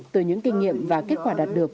từ những kinh nghiệm và kết quả đạt được